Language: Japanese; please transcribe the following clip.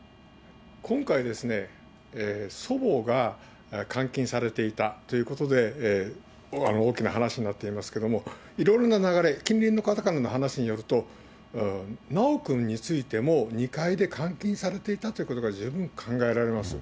今回、祖母が監禁されていたということで、大きな話になっていますけれども、いろいろな流れ、近隣の方からの話によると、修くんについても２回で監禁されていたということが、十分考えられます。